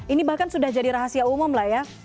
ini bahkan sudah jadi rahasia umum lah ya